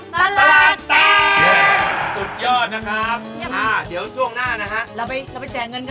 สรุปเลยว่าอันนี้นะ